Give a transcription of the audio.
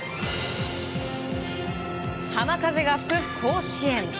浜風が吹く甲子園。